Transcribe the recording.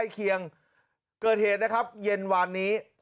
เคียงเกิดเหตุนะครับเย็นวานนี้